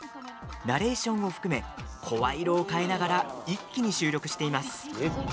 ナレーションを含め声色を変えながら一気に収録しています！